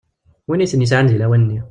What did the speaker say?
Win iten-isɛan deg lawan-nni.